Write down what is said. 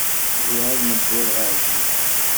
Ur εad newwiḍ ɣer din.